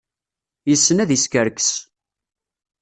Yessen ad iskerkes.